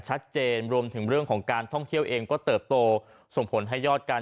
รวมถึงเรื่องของการท่องเที่ยวเองก็เติบโตส่งผลให้ยอดการ